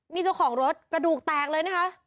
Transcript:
นี่เจ้าของรถกระดูกแตกเลยนะคะ